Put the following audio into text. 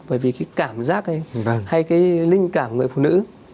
bởi vì cái cảm giác ấy hay cái linh cảm người phụ nữ